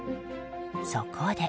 そこで。